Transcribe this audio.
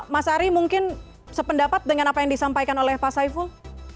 mas ari mungkin sependapat dengan apa yang disampaikan oleh pak saiful